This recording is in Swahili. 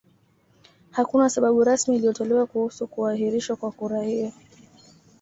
Hakuna sababu rasmi iliyotolewa kuhusu kuahirishwa kwa kura hiyo